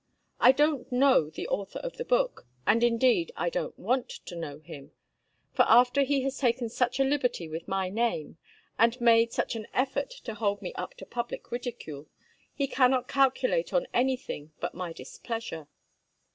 I don't know the author of the book and indeed I don't want to know him; for after he has taken such a liberty with my name, and made such an effort to hold me up to publick ridicule, he cannot calculate on any thing but my displeasure.